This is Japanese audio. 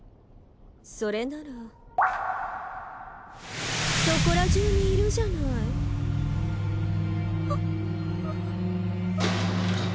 それならそこらじゅうにいるじゃないああ